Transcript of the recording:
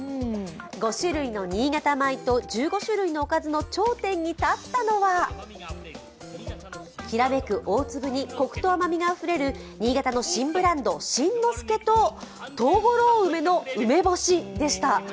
５種類の新潟米と１５種類のおかずの頂点に立ったのは、きらめく大粒にコクと甘みがあふれる新潟の新ブランド新之助と藤五郎梅の梅干しでした。